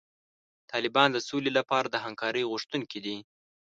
طالبان د سولې لپاره د همکارۍ غوښتونکي دي.